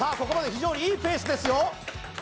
ここまで非常にいいペースですよ